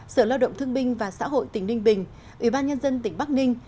sở lao động thương binh và xã hội tỉnh ninh bình ủy ban nhân dân tỉnh bắc ninh